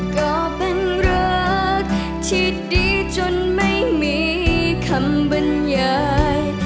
ก็เป็นรักที่ดีจนไม่มีคำบรรยาย